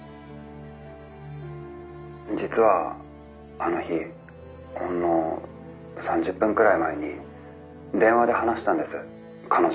「実はあの日ほんの３０分くらい前に電話で話したんです彼女と。